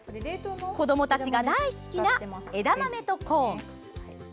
子どもたちが大好きな枝豆とコーン。